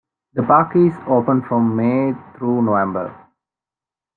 The park is open from May through November.